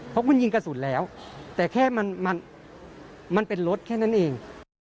เพราะคุณยิงกระสุนแล้วแต่แค่มันเป็นรถแค่นั้นเอง